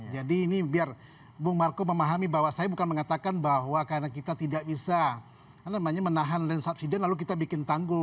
jadi ini biar bu marco memahami bahwa saya bukan mengatakan bahwa karena kita tidak bisa menahan land subsidence lalu kita bikin tanggul